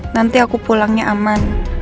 nanti aku pulangnya aman